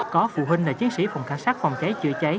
có phụ huynh là chiến sĩ phòng cảnh sát phòng cháy chữa cháy